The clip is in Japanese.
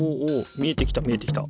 見えてきた見えてきた。